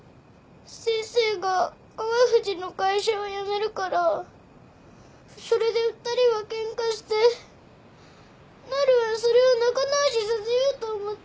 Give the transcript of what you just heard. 先生が川藤の会社を辞めるからそれで２人はケンカしてなるはそれを仲直しさせようと思って。